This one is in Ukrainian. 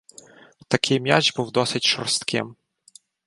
Такий м'яч був досить шорстким.